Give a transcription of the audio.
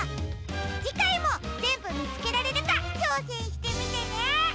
じかいもぜんぶみつけられるかちょうせんしてみてね！